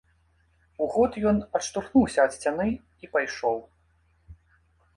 У год ён адштурхнуўся ад сцяны і пайшоў.